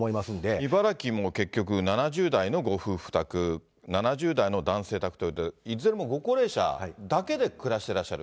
茨城も結局、７０代のご夫婦宅、７０代の男性宅ということで、いずれもご高齢者だけで暮らしてらっしゃる。